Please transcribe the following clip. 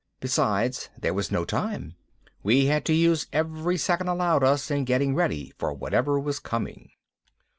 Besides, there was no time. We had to use every second allowed us in getting ready for whatever was coming.